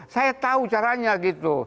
saya tahu caranya gitu